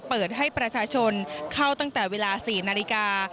เปิดให้ประชาชนเข้าตั้งแต่เวลา๔นาฬิกา